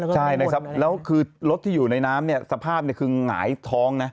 ใช่นะครับแล้วคือรถที่อยู่ในน้ำเนี่ยสภาพคือหงายท้องนะ